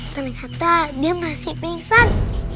ternyata dia masih pingsan